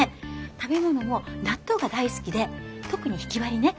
食べ物も納豆が大好きで特にひきわりね。